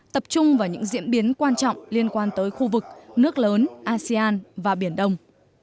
tập trung vào những diễn biến quan trọng liên quan tới khu vực nước lớn asean và biển đông